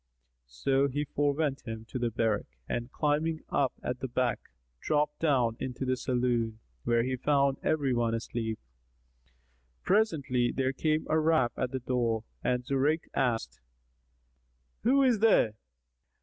So he forewent him to the barrack and, climbing up at the back, dropped down into the saloon, where he found every one asleep. Presently there came a rap at the door and Zurayk asked, "Who is there!"